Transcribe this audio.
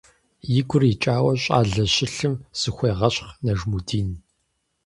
И гур икӀауэ, щӀалэ щылъым зыхуегъэщхъ Нажмудин.